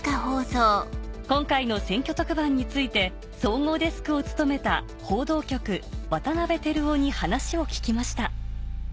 今回の選挙特番について総合デスクを務めた報道局渡辺照生に話を聞きました